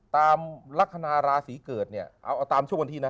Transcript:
ตามลักษณะราศีเกิดเนี่ยเอาตามช่วงวันที่นะ